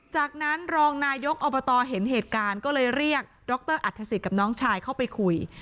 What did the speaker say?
จากนั้นรองนายกอบตเห็นเหตุการณ์ก็เลยเรียกดรอัฐศิษย์กับน้องชายเข้าไปคุย